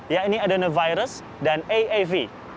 yaitu adenovirus dan aav